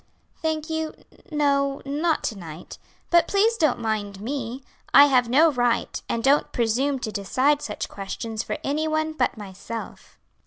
"Thank you, no; not to night. But please don't mind me. I have no right, and don't presume to decide such questions for anyone but myself."